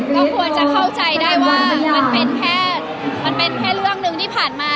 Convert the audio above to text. ก็ควรจะเข้าใจได้ว่ามันเป็นแค่มันเป็นแค่เรื่องหนึ่งที่ผ่านมา